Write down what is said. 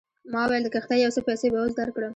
ما وویل د کښتۍ یو څه پیسې به اوس درکړم.